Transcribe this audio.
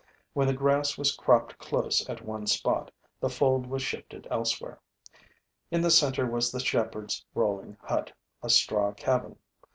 When the grass was cropped close at one spot, the fold was shifted elsewhere. In the center was the shepherd's rolling hut, a straw cabin.